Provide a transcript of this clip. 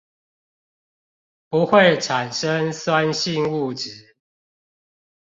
不會產生酸性物質